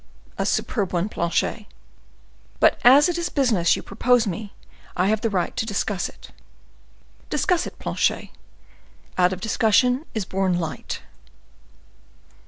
—" "A superb one, Planchet." "But as it is business you propose to me, I have the right to discuss it." "Discuss it, Planchet; out of discussion is born light."